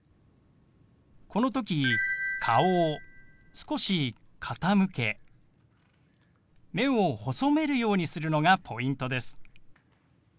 この時顔を少し傾け目を細めるようにするのがポイントです。